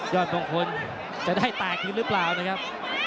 ยอดมงคลจะได้แตกรึเปล่านะครับ